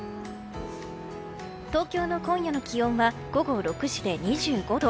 東京の今夜の気温は午後６時で２５度。